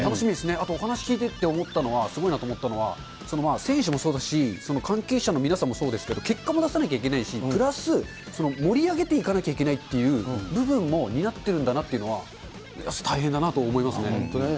あとお話聞いてて思ったのは、すごいなと思ったのは、選手もそうですし、関係者の皆さんもそうですけど、結果も出さなきゃいけないし、プラス、盛り上げていかなきゃいけないっていう部分も担ってるんだなって本当ね。